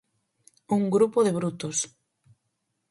Un grupo de brutos.